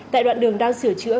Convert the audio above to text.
tại đoạn đường đang sửa chữa